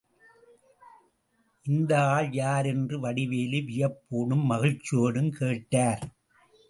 இந்த ஆள் யார்? என்று வடிவேலு வியப்போடும் மகிழ்ச்சியோடும் கேட்டார்.